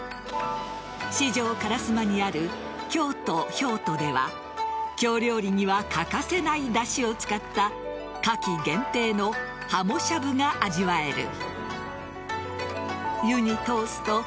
四条烏丸にある京都瓢斗では京料理には欠かせないだしを使った夏季限定のハモしゃぶが味わえる。